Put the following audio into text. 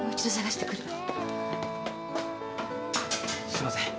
すいません。